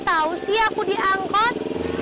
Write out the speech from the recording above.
tau sih aku di angkot